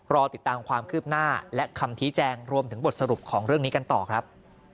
รอติดตามความคืบหน้าและคำชี้แจงรวมถึงบทสรุปของเรื่องนี้กันต่อครับ